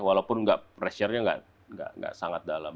walaupun pressure nya nggak sangat dalam